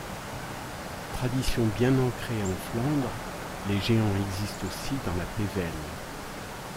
Tradition bien ancrée en Flandre, les Géants existent aussi dans la Pévèle.